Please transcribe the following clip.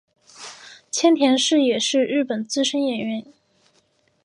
千田是也是日本资深演员。